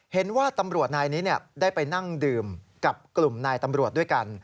เห็นว่าตำรวจนายนี้ได้ไปนั่งดื่มกับกลุ่มนายตำรวจด้วยกัน